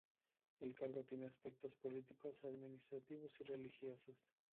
El cargo tiene aspectos políticos, administrativos y religiosos.